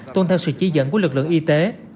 tuân theo sự chỉ dẫn của lực lượng y tế